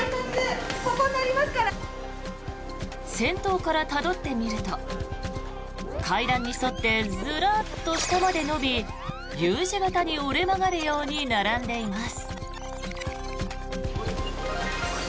先頭からたどってみると階段に沿ってずらっと下まで延びＵ字形に折れ曲がるように並んでいます。